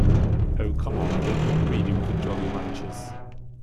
Oh, come on, don't be greedy with the Jolly Ranchers.